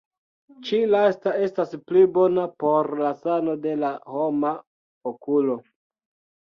Ĉi lasta estas pli bona por la sano de la homa okulo.